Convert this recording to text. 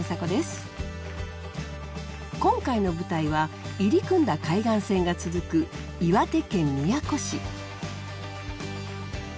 今回の舞台は入り組んだ海岸線が続く岩手県宮古市。